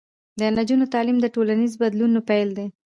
د نجونو تعلیم د ټولنیز بدلون پیل دی.